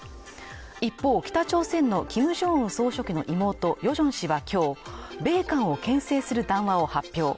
一方北朝鮮のキムジョンウン総書記の妹、ヨジョン氏は今日、米韓を牽制する談話を発表。